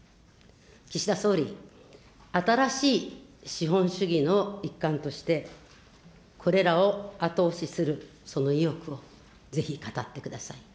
岸田総理、新しい資本主義の一環として、これらを後押しする、その意欲をぜひ語ってください。